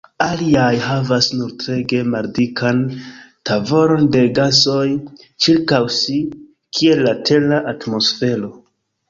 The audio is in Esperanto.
Aliaj havas nur treege maldikan tavolon de gasoj ĉirkaŭ si, kiel la Tera atmosfero.